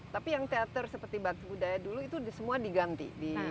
tapi yang teater seperti bakti budaya dulu itu semua diganti